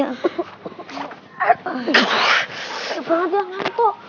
gede banget ya ngantuk